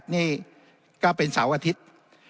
นี่ก็เป็นเสาร์อาทิตย์